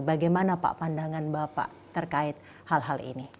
bagaimana pak pandangan bapak terkait hal hal ini